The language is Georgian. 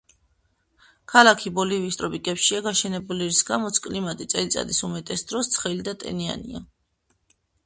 ქალაქი ბოლივიის ტროპიკებშია გაშენებული, რის გამოც კლიმატი წელიწადის უმეტეს დროს ცხელი და ტენიანია.